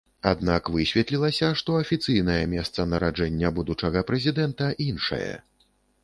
Аднак высветлілася, што афіцыйнае месца нараджэння будучага прэзідэнта іншае.